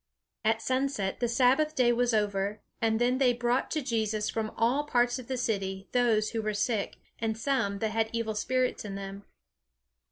At sunset, the Sabbath day was over; and then they brought to Jesus from all parts of the city those that were sick, and some that had evil spirits in them.